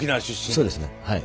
そうですねはい。